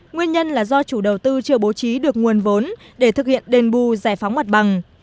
nguyên nhân là do chủ đầu tư chưa bố trí được nguồn vốn để thực hiện đền bù giải phóng mặt bằng